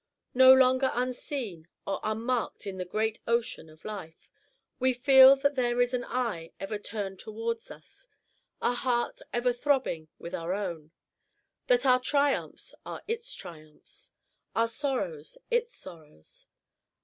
No longer unseen or unmarked in the great ocean of life, we feel that there is an eye ever turned towards us, a heart ever throbbing with our own; that our triumphs are its triumphs, our sorrows its sorrows.